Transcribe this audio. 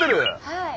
はい。